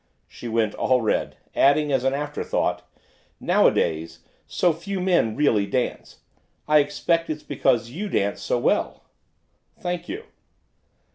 She went all red, adding, as an afterthought, 'Nowadays so few men really dance. I expect it's because you dance so well.' 'Thank you.